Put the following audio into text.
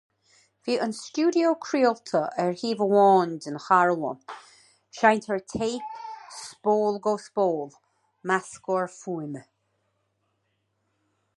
Bhí an stiúideo craolta ar thaobh amháin den charbhán, seinnteoir téip spólgo-spól, meascthóir fuaime.